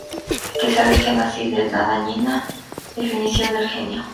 que se alejan así de la dañina definición del Genio